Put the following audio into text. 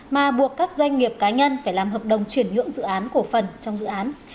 mà buộc các doanh nghiệp cá nhân phải làm hợp đồng chuyển nhuộm dự án cổ phần trong dự án